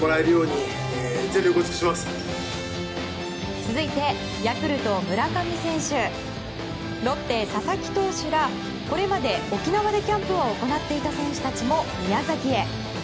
続いてヤクルト、村上選手ロッテ、佐々木投手らこれまで沖縄でキャンプを行っていた選手たちも宮崎へ。